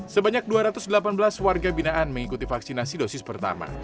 sebanyak dua ratus delapan belas warga binaan mengikuti vaksinasi dosis pertama